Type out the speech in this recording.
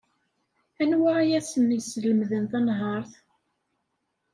Anwa ay asen-yeslemden tanhaṛt?